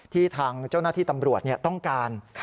ทางเจ้าหน้าที่ตำรวจต้องการ